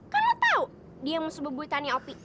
kan lo tau dia yang musuh bebuitannya opi